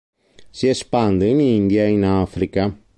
Si espande in India e in Africa.